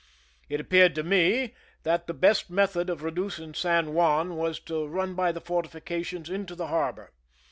It appeared to me that the best method of reducing San Juan was to run by the fortifications into the harbor.